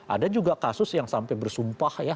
ada juga kasus yang sampai bersumpah ya